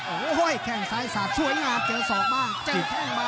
โอ้โหยแข่งซ้ายศาสตร์ช่วยงามเจยสองบ้างเจยแข้งบ้าง